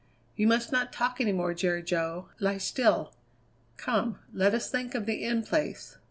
"You must not talk any more, Jerry Jo. Lie still. Come, let us think of the In Place."